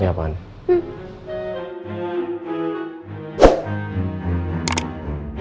kiki itu pembantu kaya raya